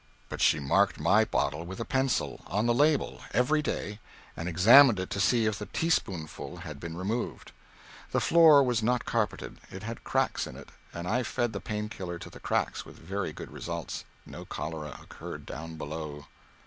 But she marked my bottle with a pencil, on the label, every day, and examined it to see if the teaspoonful had been removed. The floor was not carpeted. It had cracks in it, and I fed the Pain Killer to the cracks with very good results no cholera occurred down below.